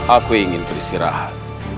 aku ingin beristirahat